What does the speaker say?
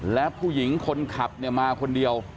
และผู้หญิงคนขับเนี่ยมาคนเดียว